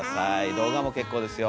動画も結構ですよ。